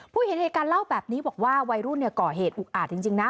เห็นเหตุการณ์เล่าแบบนี้บอกว่าวัยรุ่นก่อเหตุอุกอาจจริงนะ